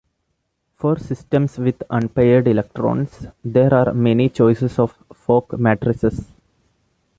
For systems with unpaired electrons there are many choices of Fock matrices.